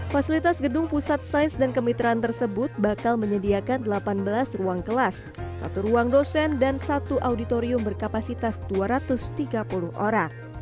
fasilitas gedung pusat sains dan kemitraan tersebut bakal menyediakan delapan belas ruang kelas satu ruang dosen dan satu auditorium berkapasitas dua ratus tiga puluh orang